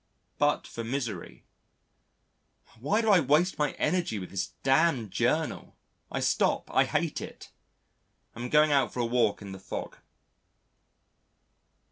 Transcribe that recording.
But for misery " (Why do I waste my energy with this damned Journal? I stop. I hate it. I am going out for a walk in the fog.)